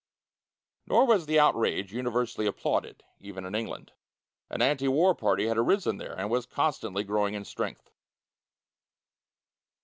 Nor was the outrage universally applauded, even in England. An anti war party had arisen there, and was constantly growing in strength.